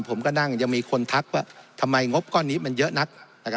ผมก็นั่งยังมีคนทักว่าทำไมงบก้อนนี้มันเยอะนัก